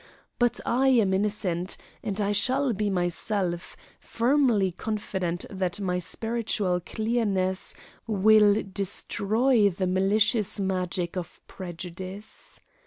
But I am innocent, and I shall be myself, firmly confident that my spiritual clearness will destroy the malicious magic of prejudice."